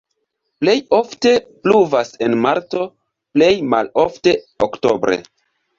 Plej ofte pluvas en marto, plej malofte oktobre.